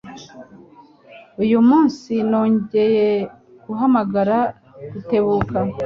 Uyu munsi nongeye guhamagara Rutebuka.